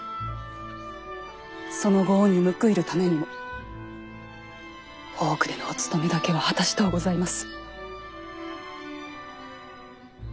そのご恩に報いるためにも大奥でのおつとめだけは果たしとうございます。